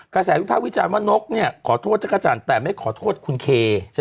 กระแสวิพาควิจารณ์ว่านกขอโทษจักรจันทร์แต่ไม่ขอโทษคุณเค